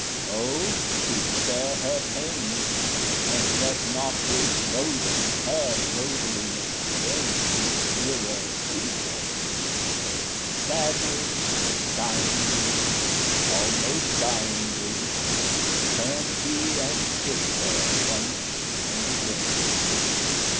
O, to spare her pain, And let not his loathing her loathliness vain Mirror too plain, Sadly, sighingly, Almost dyingly, Turned he and kissed her once and again.